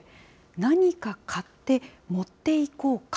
何か買って持っていこうか？